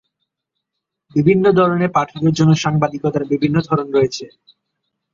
বিভিন্ন ধরনের পাঠকের জন্য সাংবাদিকতার বিভিন্ন ধরন রয়েছে।